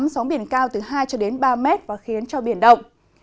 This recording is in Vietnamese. sóng biển cao từ hai ba m và khiến cho biển động